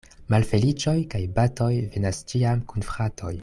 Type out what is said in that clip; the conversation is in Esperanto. Malfeliĉoj kaj batoj venas ĉiam kun fratoj.